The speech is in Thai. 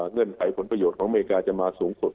เงื่อนไขผลประโยชน์ของอเมริกาจะมาสูงสุด